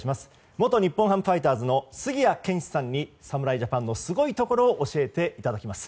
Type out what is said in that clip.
元日本ハムファイターズの杉谷拳士さんに侍ジャパンのすごいところを教えていただきます。